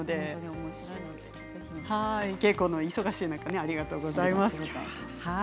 お稽古のお忙しい中ありがとうございます。